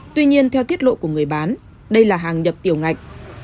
tuy nhiên theo tiết lộ của người bán đây là hàng nhập tiểu ngạch